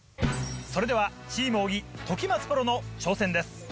それではチーム小木時松プロの挑戦です。